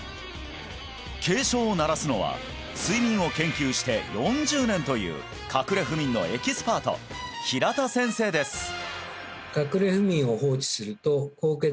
警鐘を鳴らすのは睡眠を研究して４０年というかくれ不眠のエキスパート平田先生です